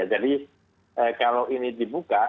jadi kalau ini dibuka